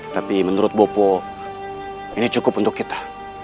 tapi menurut bopo ini cukup untuk kita